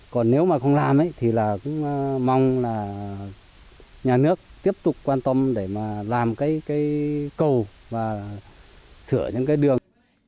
còn nếu mà không làm ấy thì là cũng mong là nhà nước tiếp tục quan tâm để mà làm cái cầu và sửa những cái đường